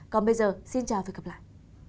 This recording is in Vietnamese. còn bây giờ xin chào và hẹn gặp lại